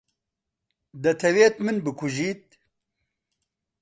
دەتەوێت من بکوژیت؟